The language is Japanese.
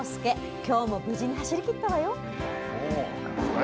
今日も無事に走り切ったわよ。